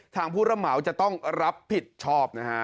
ทางผู้ระเหมาจะต้องรับผิดชอบนะครับ